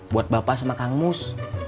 buat bapak sama kang mus